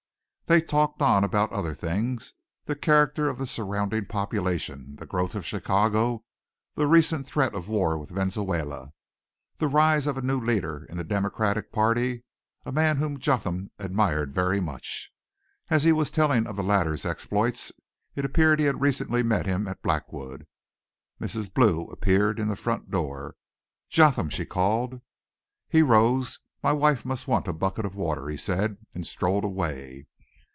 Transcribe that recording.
They talked on about other things, the character of the surrounding population, the growth of Chicago, the recent threat of a war with Venezuela, the rise of a new leader in the Democratic party, a man whom Jotham admired very much. As he was telling of the latter's exploits it appeared he had recently met him at Blackwood Mrs. Blue appeared in the front door. "Jotham!" she called. He rose. "My wife must want a bucket of water," he said, and strolled away.